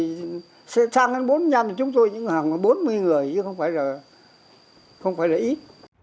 thì sẽ sang đến bốn nhân là chúng tôi những hàng bốn mươi người chứ không phải là ít